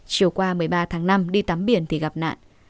chiều qua một mươi ba tháng năm đi tắm biển thì gặp nạn